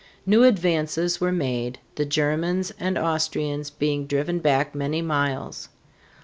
New advances were made, the Germans and Austrians being driven back many miles.